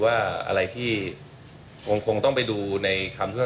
วันนี้เราก็ต้องไปดูในเนื้อ